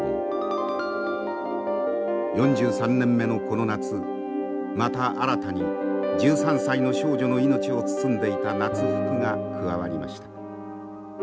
４３年目のこの夏また新たに１３歳の少女の命を包んでいた夏服が加わりました。